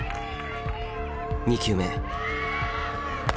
２球目。